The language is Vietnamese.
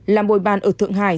làm bồi bàn ở thượng hải